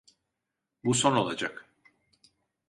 Bu son olacak.